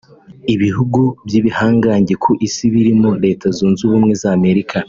Ibihugu by’ibihangange ku isi birimo Leta Zunze Ubumwe za Amerika